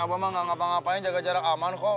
abang mah gak ngapa ngapain jaga jarak aman kok